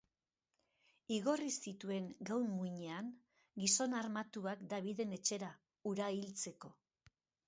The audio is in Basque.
Igorri zituen, gau minean, gizon armatuak Daviden etxera, hura hiltzeko.